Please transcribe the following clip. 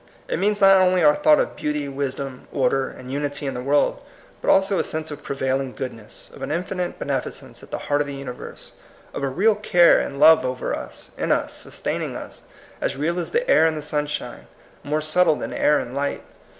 It means not only our thought of beauty, wisdom, order, and unity in the world, but also a sense of prevailing goodness, of an infinite benefi cence at the heart of the universe, of a real care and love over us, in us, sustaining us, as real as the air and the sunshine, more subtle than air and light.